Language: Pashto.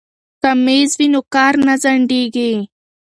که میز وي نو کار نه ځنډیږي.